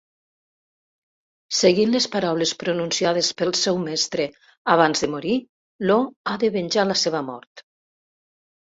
Seguint les paraules pronunciades pel seu mestre abans de morir, Lo ha de venjar la seva mort.